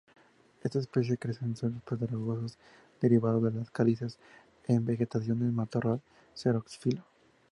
Esta especie crece en suelos pedregosos derivados de calizas, en vegetación de matorral xerófilo.